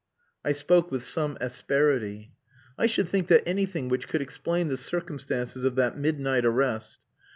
I spoke with some asperity. "I should think that anything which could explain the circumstances of that midnight arrest...."